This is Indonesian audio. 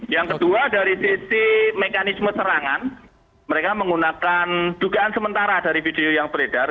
yang kedua dari sisi mekanisme serangan mereka menggunakan dugaan sementara dari video yang beredar